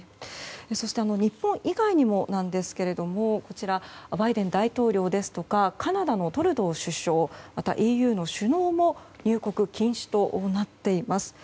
そして日本以外にもなんですけれどもバイデン大統領ですとかカナダのトルドー首相またＥＵの首脳も入国禁止となっています。